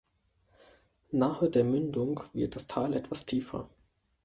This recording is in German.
Nahe der Mündung wird das Tal etwas tiefer.